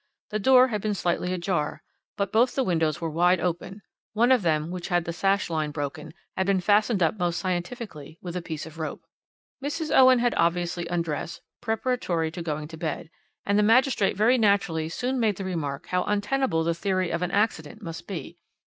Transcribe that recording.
The door had been slightly ajar, but both the windows were wide open; one of them, which had the sash line broken, had been fastened up most scientifically with a piece of rope. "Mrs. Owen had obviously undressed preparatory to going to bed, and the magistrate very naturally soon made the remark how untenable the theory of an accident must be.